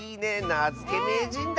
なづけめいじんだ！